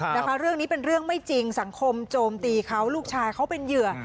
นะคะเรื่องนี้เป็นเรื่องไม่จริงสังคมโจมตีเขาลูกชายเขาเป็นเหยื่อ